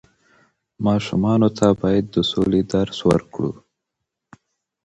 ماشومانو ته بايد د سولې درس ورکړو.